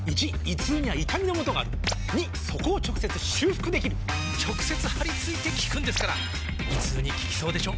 ①胃痛には痛みのもとがある②そこを直接修復できる直接貼り付いて効くんですから胃痛に効きそうでしょ？